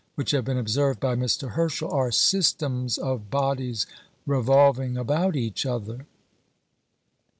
which have been observed by Mr. Herschel, are systems of bodies revolving about each other."